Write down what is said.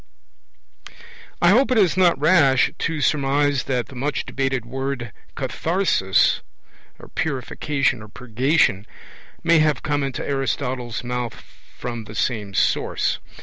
I hope it is not rash to surmise that the much debated word __katharsis__, 'purification' or 'purgation', may have come into Aristotle's mouth from the same source.